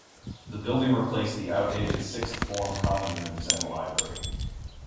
The building replaced the outdated sixth form common rooms and the library.